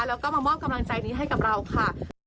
แล้วก็มามอบกำลังใจบาทนี้ของเราค่ะ